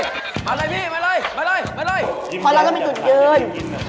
ขอรับแล้วไม่จุดเยิน